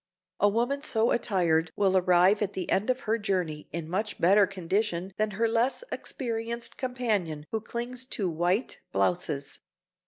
A woman so attired will arrive at the end of her journey in much better condition than her less experienced companion who clings to white (?) blouses.